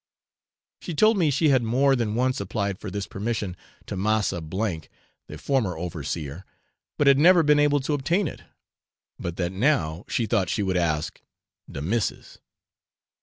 She told me she had more than once applied for this permission to Massa K (the former overseer), but had never been able to obtain it, but that now she thought she would ask 'de missis.'